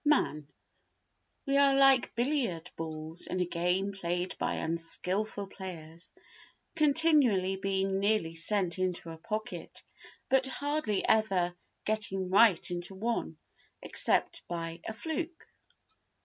Man i WE are like billiard balls in a game played by unskilful players, continually being nearly sent into a pocket, but hardly ever getting right into one, except by a fluke.